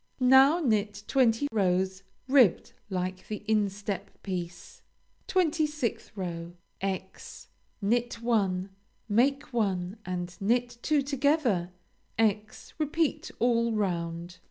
Now knit twenty rows ribbed like the instep piece. 26th row × Knit one; make one and knit two together; × repeat all round.